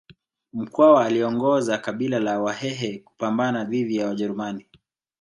mkwawa aliongoza kabila la wahehe kupambana dhidi ya wajerumani